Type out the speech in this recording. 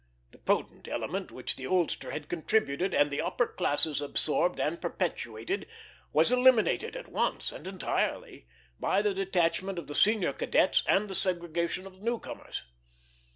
The potent element which the oldster had contributed, and the upper classes absorbed and perpetuated, was eliminated at once and entirely by the detachment of the senior cadets and the segregation of the new corners.